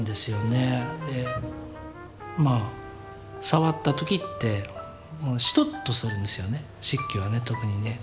触った時ってしとっとするんですよね漆器はね特にね。